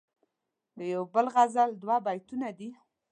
دیو بل غزل دوه بیتونه دي..